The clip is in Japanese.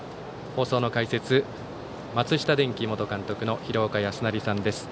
放送の解説は松下電器元監督の廣岡資生さんです。